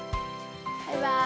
バイバーイ。